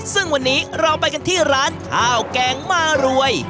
ซึ่งวันนี้เราไปกันที่ร้านข้าวแกงมารวย